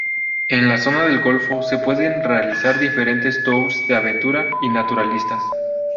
En la zona de Golfito se pueden realizar diferentes tours de aventura y naturalistas.